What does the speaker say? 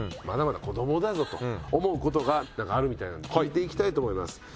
まだまだ子どもだぞと思うことがあるみたいなんで聞いていきたいと思います。